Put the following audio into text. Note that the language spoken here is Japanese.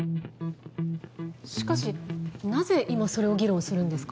しかしなぜ今それを議論するんですか？